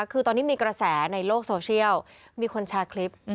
คือตอนนี้มีกระแสในโลกโซเชียลมีคนแชร์คลิป